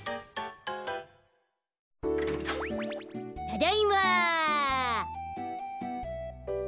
ただいま。